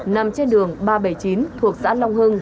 nằm trên đường ba trăm bảy mươi chín thuộc xã long hưng